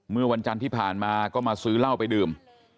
เมื่อวันจันทร์ที่ผ่านมาก็มาซื้อเหล้าไปดื่ม